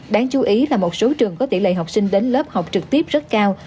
đáng chú ý là một số trường có tỷ lệ học sinh đến lớp học trực tiếp rất cao